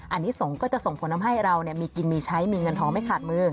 อันนี้ส่งก็จะส่งผลทำให้เรามีกินมีใช้มีเงินทองไม่ขาดมือ